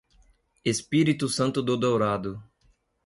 Espírito Santo do Dourado